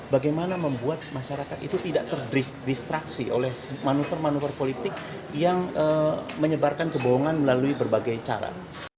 bagaimana membuat masyarakat itu tidak terdistraksi oleh manuver manuver politik yang menyebarkan kebohongan melalui berbagai cara